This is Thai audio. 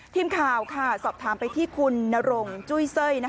ทีมข่าวสอบถามไปที่คุณนรงจุ้ยเซ้ย